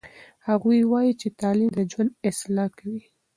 هغوی وایي چې تعلیم د ژوند اصلاح کوي.